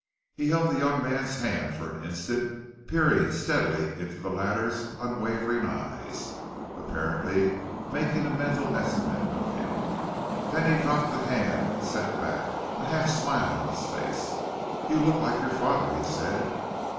He held the young man's hand for an instant, peering steadily into the latter's unwavering eyes, apparently making a mental estimate of him. Then he dropped the hand and sat back, a half smile on his face. "You look like your father," he said.